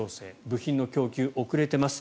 部品の供給、遅れています。